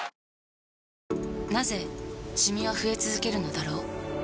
なぜシミは増え続けるのだろう